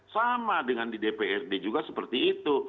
sama dengan di dprd juga seperti itu